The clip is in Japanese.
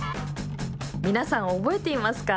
皆さん、覚えていますか。